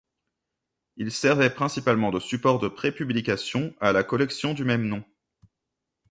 Il servait principalement de support de prépublication à la collection du même nom.